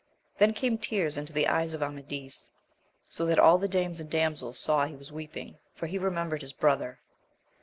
Then came tears into the eyes of Amadis, so that all the dames and damsels saw he was weeping, for he remembered his brother.